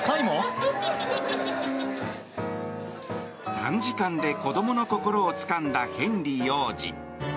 短時間で子供の心をつかんだヘンリー王子。